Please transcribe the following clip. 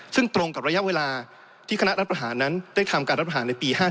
ซึ่งตรงกับระยะเวลาที่คณะรัฐประหารนั้นได้ทำการรัฐประหารในปี๕๗